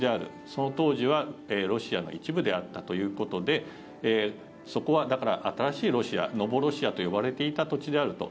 その当時はロシアの一部であったということでそこは、だから新しいロシアノボロシアと呼ばれていた土地であると。